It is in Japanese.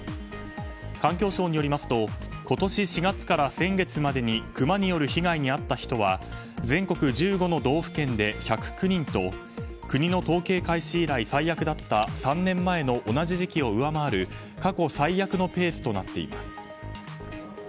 環境省によりますと今年４月から先月までにクマによる被害にあった人や全国１５の都道府県で１０９人と国の統計開始以来最悪だった３年前の同じ時期を上回る過去最悪のペースとなっています。